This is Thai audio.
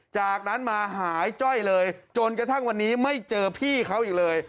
จากนั้นมาหายจ้อยเลยจนกระทั่งวันนี้ไม่เจอพี่เขาอีกเลย